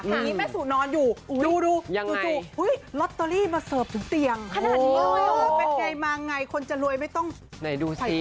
แม่สูกนอนอยู่อย่างไร